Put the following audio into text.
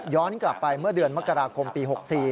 กลับไปเมื่อเดือนมกราคมปี๖๔